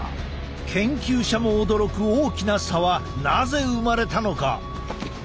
研究者も驚く大きな差はなぜ生まれたのか？